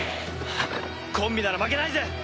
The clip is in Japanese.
コンビなら負けないぜ！